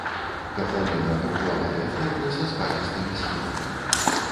Катлавіна круглаватай формы са спадзістымі схіламі.